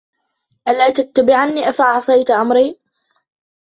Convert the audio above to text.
أَلَّا تَتَّبِعَنِ أَفَعَصَيْتَ أَمْرِي